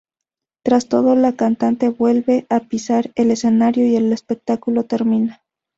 Tras todo, la cantante vuelve a pisar el escenario y el espectáculo termina.